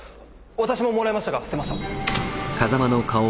私ももらいましたが捨てました。